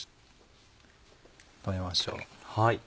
留めましょう。